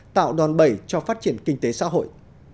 tạo đòn bẩy cho phát triển kinh tế xã hội